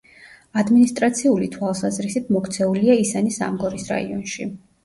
ადმინისტრაციული თვალსაზრისით მოქცეულია ისანი-სამგორის რაიონში.